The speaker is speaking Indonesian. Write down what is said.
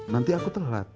nanti aku telat